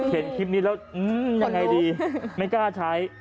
เห็นคลิปนี้แล้วยังไงดีไม่กล้าใช้